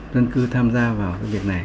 dân cư tham gia vào cái việc này